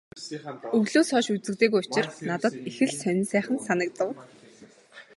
Өвлөөс хойш үзэгдээгүй учир надад их л сонин сайхан санагдав.